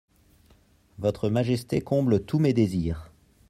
Votre Majesté comble tous mes désirs…